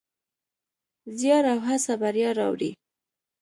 زیار او هڅه بریا راوړي.